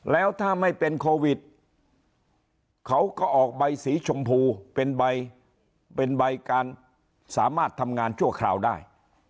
แล้วถ้าไม่เป็นโควิดเขาก็ออกใบสีชมพูเป็นใบเป็นใบการสามารถทำงานชั่วคราวได้